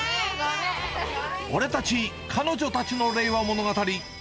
俺たち、彼女たちの令和物語。